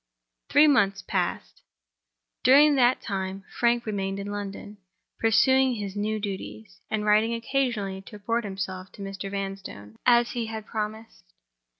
Three months passed. During that time Frank remained in London; pursuing his new duties, and writing occasionally to report himself to Mr. Vanstone, as he had promised.